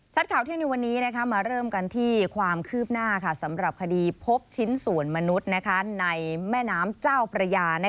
ข่าวเที่ยงในวันนี้มาเริ่มกันที่ความคืบหน้าสำหรับคดีพบชิ้นส่วนมนุษย์ในแม่น้ำเจ้าพระยา